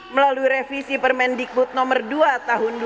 melalui revisi permendikbud nomor dua tahun dua ribu dua puluh